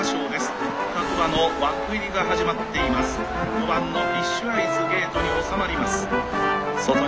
５番のフィッシュアイズゲートに収まります。